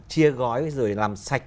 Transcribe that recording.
chia gói rồi làm sạch